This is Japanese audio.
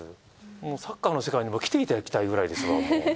もうサッカーの世界にも来ていただきたいくらいですわもう。